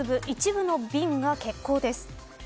一部の便が欠航です。